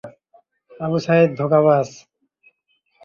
কিন্তু ছড়ায় পানির স্রোতের কারণে সাঁকোটি তিন-চার মাসের বেশি সময় টেকে না।